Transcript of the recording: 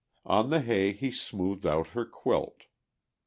On the hay he smoothed out her quilt.